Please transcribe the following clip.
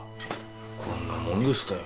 こんなもんでしたよ